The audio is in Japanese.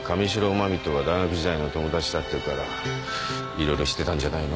真実とは大学時代の友達だっていうから色々知ってたんじゃないの？